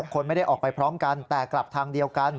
คนไม่ได้ออกไปพร้อมกันแต่กลับทางเดียวกัน